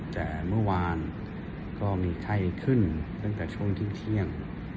แต่เมื่อวานก็มีไข้ขึ้นตั้งแต่ช่วงเที่ยง